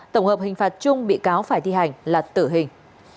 tổng hợp hình phạt chung bị cáo phải thi hành là tử hình